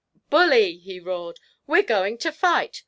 "Bully!" he roared; "we're going to fight!